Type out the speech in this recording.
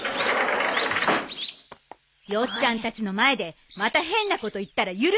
ヨッちゃんたちの前でまた変なこと言ったら許さないから！